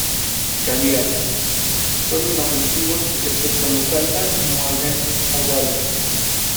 Caviar.Son inofensivos, excepto cuando saltan y muerden a Wario.